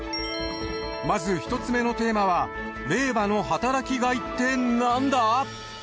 まず１つ目のテーマは令和の働きがいって何だ。